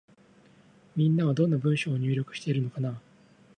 みんなは、どんな文章を入力しているのかなぁ。